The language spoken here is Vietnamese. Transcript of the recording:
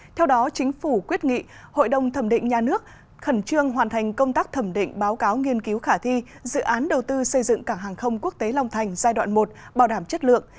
theo đó chính phủ quyết nghị hội đồng thẩm định nhà nước khẩn trương hoàn thành công tác thẩm định báo cáo nghiên cứu khả thi dự án đầu tư xây dựng cảng hàng không quốc tế long thành giai đoạn một bảo đảm chất lượng